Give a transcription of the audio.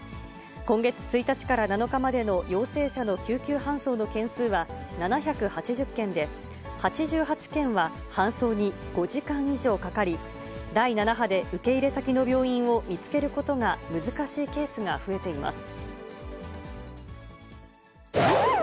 今月１日から７日までの陽性者の救急搬送の件数は７８０件で、８８件は搬送に５時間以上かかり、第７波で受け入れ先の病院を見つけることが難しいケースが増えています。